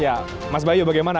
ya mas bayu bagaimana